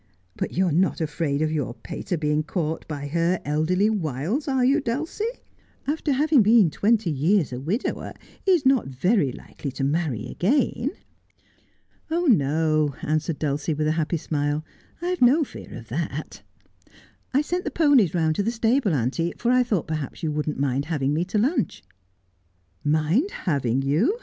But you are not afraid of your pater being caught by her elderly wiles, are you, Dulcie i The Yellow Ribbon. 97 After having been twenty years a widower he is not very likely to marry again.' ' Oh, no,' answered Dulcie, with a happy smile, 'I have no fear of that. I sent the ponies round to the stables, auntie, for I thought perhaps you would not mind having me to lunch.' ' Mind having you